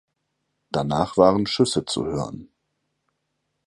Danach waren Schüsse zu hören.